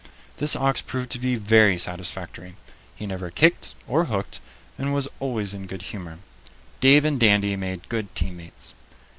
This ox proved to be very satisfactory. He never kicked or hooked, and was always in good humor. Dave and Dandy made good team mates.